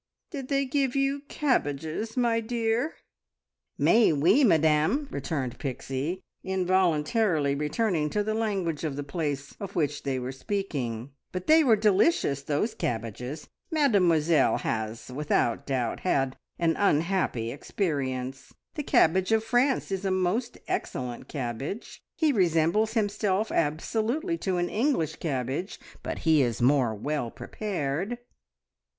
Did they give you cabbages, my dear?" "Mais oui, madame!" returned Pixie, involuntarily returning to the language of the place of which they were speaking. "But they were delicious, those cabbage! Mademoiselle has without doubt had an unhappy experience. The cabbage of France is a most excellent cabbage. He resembles himself absolutely to an English cabbage, but he is more well prepared."